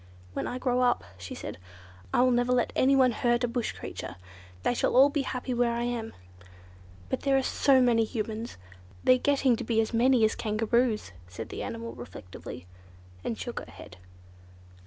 "When I grow up," she said, "I will never let anyone hurt a bush creature. They shall all be happy where I am." "But there are so many Humans. They're getting to be as many as Kangaroos." said the animal reflectively, and shook her head.